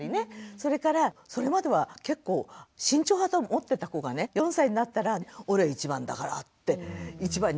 それからそれまでは結構慎重派だと思ってた子がね４歳になったら「俺１番だから」って１番に命かけたりね。